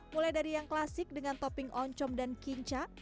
mulai dari yang klasik dengan topping oncom dan kinca